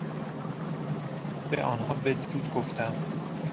به آنها بدرود گفتم.